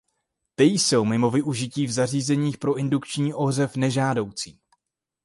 Ty jsou mimo využití v zařízeních pro indukční ohřev nežádoucí.